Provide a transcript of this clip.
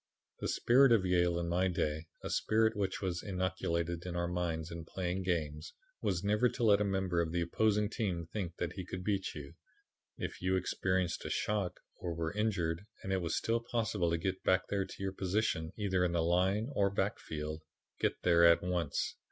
"The spirit of Yale in my day, a spirit which was inculcated in our minds in playing games, was never to let a member of the opposing team think he could beat you. If you experienced a shock or were injured and it was still possible to get back to your position either in the line or backfield get there at once.